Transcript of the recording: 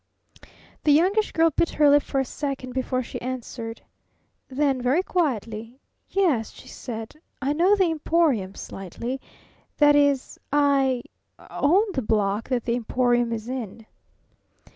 The Youngish Girl bit her lip for a second before she answered. Then, very quietly, "Y e s," she said, "I know the Emporium slightly. That is I own the block that the Emporium is in."